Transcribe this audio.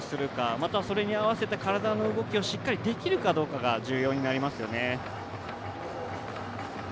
またそれに合わせた体の動きをしっかりできるかどうかが重要になりますよね。